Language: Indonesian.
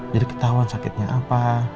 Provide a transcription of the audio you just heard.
jadi ketahuan sakitnya apa